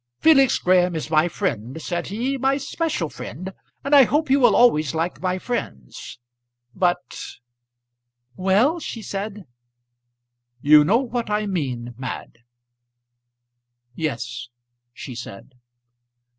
"Felix Graham is my friend," said he, "my special friend; and I hope you will always like my friends. But " "Well?" she said. "You know what I mean, Mad" "Yes," she said.